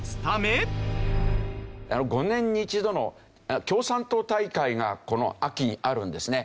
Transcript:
５年に１度の共産党大会がこの秋にあるんですね。